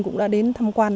cũng đã đến tham quan